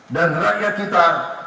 dan rakyat kita